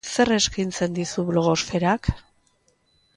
Zer eskaintzen dizu blogosferak?